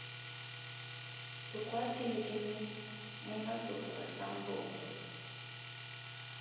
Tukuate midimu mu matuku asambombo.